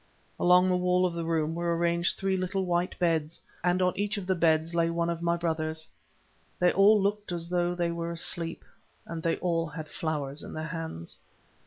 Along the wall of the room were arranged three little white beds, and on each of the beds lay one of my brothers. They all looked as though they were asleep, and they all had flowers in their hands.